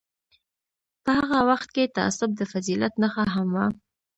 په هغه وخت کې تعصب د فضیلت نښه هم وه.